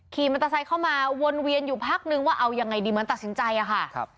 ขี่มอเตอร์ไซค์เข้ามาวนเวียนอยู่พักนึงว่าเอายังไงดีเหมือนตัดสินใจอะค่ะ